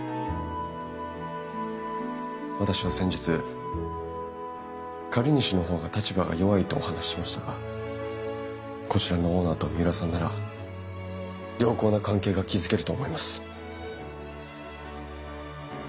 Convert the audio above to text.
私は先日借り主の方が立場が弱いとお話ししましたがこちらのオーナーと三浦さんなら良好な関係が築けると思います。